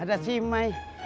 ada si mai